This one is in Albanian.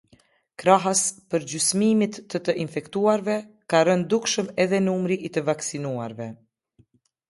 Krahas përgjysmimit të të infektuarve, ka rënë dukshëm edhe numri i të vaksinuarve.